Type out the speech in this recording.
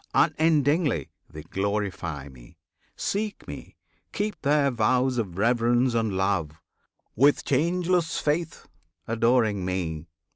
Unendingly They glorify Me; seek Me; keep their vows Of reverence and love, with changeless faith Adoring Me.